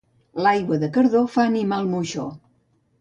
L'aigua de Cardó fa animar el moixó.